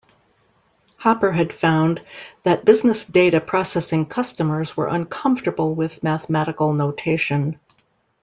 Hopper had found that business data processing customers were uncomfortable with mathematical notation.